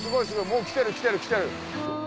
もう来てる来てる来てる！